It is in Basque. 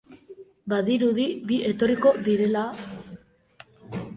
Badirudi bi etorriko direla?